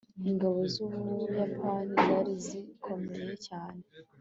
ingabo zubuyapani zari zikomeye cyane